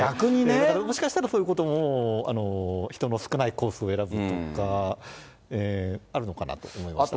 だからもしかしたらそういうことも、人の少ないコースを選ぶとかがあるのかなと思いました。